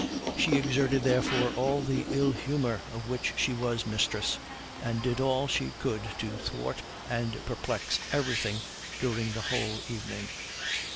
She exerted therefore all the ill humor of which she was mistress, and did all she could to thwart and perplex everything during the whole evening.